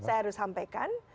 saya harus sampaikan